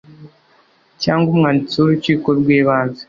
cyangwa umwanditsi w urukiko rw ibanze